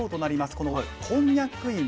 このこんにゃく芋。